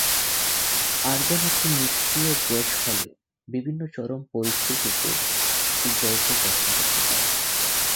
Argon একটি নিষ্ক্রিয় gas হলেও বিভিন্ন চরম পরিস্থিতিতে কিছু যৌগ গঠন করতে পারে।